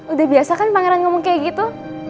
udah biasa kan pangeran ngomong kayak gitu